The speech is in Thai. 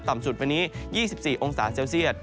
ส่วนต่ำสุดวันนี้๒๔องศาเซลเซียต